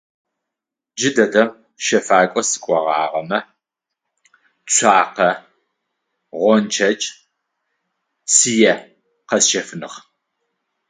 Джы дэдэм щэфакӏо сыкӏогъагъэмэ цуакъэ, гъончэдж, цые къэсщэфыныгъ.